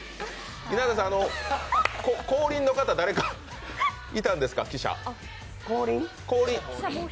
稲田さん、汽車の後輪の方、誰かいたんですか？